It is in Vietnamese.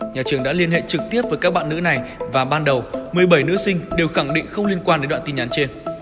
nhà trường đã liên hệ trực tiếp với các bạn nữ này và ban đầu một mươi bảy nữ sinh đều khẳng định không liên quan đến đoạn tin nhắn trên